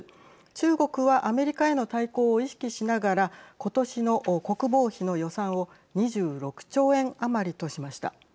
中国はアメリカへの対抗を意識しながらことしの国防費の予算を２６兆円余りとしました。